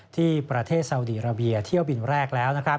ที่ประเทศซาวดีราเบียเที่ยวบินแรกแล้ว